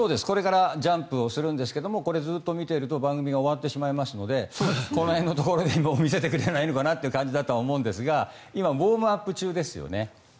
これからジャンプをするんですがこれをずっと見ていると番組が終わってしまいますのでこの辺のところで見せてくれないかなという感じだとは思うんですが今、ウォームアップ中ですよね。